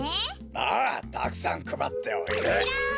ああたくさんくばっておいで。